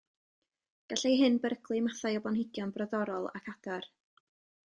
Gallai hyn beryglu mathau o blanhigion brodorol ac adar.